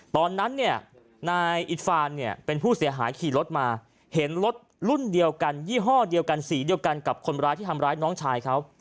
ตอนนั้นเนี่ยนายอิดฟานเนี่ยเป็นผู้เสียหายขี่รถมาเห็นรถรุ่นเดียวกันยี่ห้อเดียวกันสีเดียวกันกับคนร้ายที่ทำร้ายน้องชายเขา